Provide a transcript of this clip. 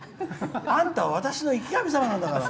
あんたは私の生き神様なんだから！